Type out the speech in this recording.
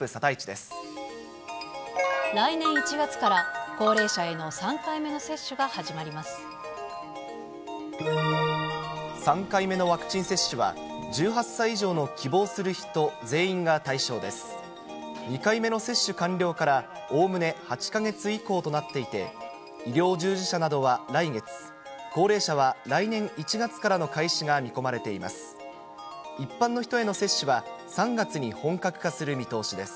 ２回目の接種完了からおおむね８か月以降となっていて、医療従事者などは来月、高齢者は来年１月からの開始が見込まれています。